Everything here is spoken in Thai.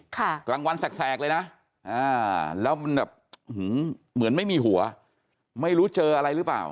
ค่ะกลางวันแสกเลยนะแล้วเหมือนไม่มีหัวไม่รู้เจออะไรหรือเปล่า